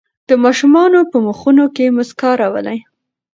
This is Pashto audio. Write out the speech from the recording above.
د ماشومانو په مخونو کې مسکا راولئ.